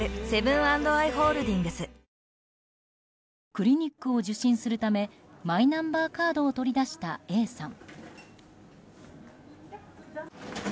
クリニックを受診するためマイナンバーカードを取り出した、Ａさん。